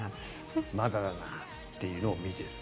まだだなというのを見ている。